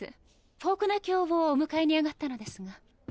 フォークナー卿をお迎えに上がったのですが。